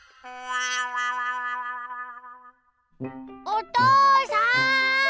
おとうさん！